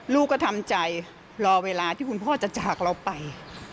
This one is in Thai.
ลูกก็ทำใจรอเวลาที่คุณพ่อจะจากเราไป